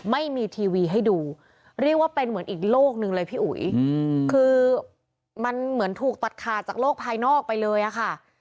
ไม่มีทีวีให้ดูเรียกว่าเป็นเหมือนอีกโลกหนึ่งเลยพี่อุ๋ยคือมันเหมือนถูกตัดขาดจากโลกภายนอกไปเลยอะค่ะ